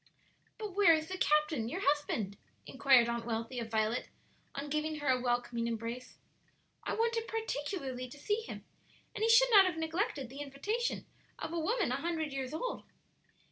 "But where is the captain, your husband?" inquired Aunt Wealthy of Violet on giving her a welcoming embrace. "I wanted particularly to see him, and he should not have neglected the invitation of a woman a hundred years old."